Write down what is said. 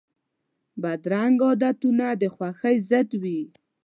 بدرنګه عادتونه د خوښۍ ضد وي